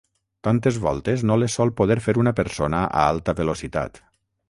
Tantes voltes no les sol poder fer una persona a alta velocitat.